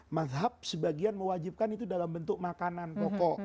madhab sebagian mewajibkan itu dalam bentuk makanan pokok